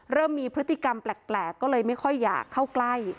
เริ่มมีพฤติกรรมแปลกก็เลยไม่ค่อยอยากเข้าใกล้